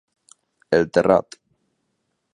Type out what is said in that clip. El Terrat.